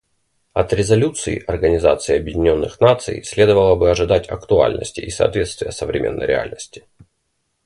От резолюций Организации Объединенных Наций следовало бы ожидать актуальности и соответствия современной реальности.